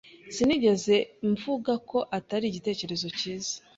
Sinigeze mvuga ko atari igitekerezo cyiza.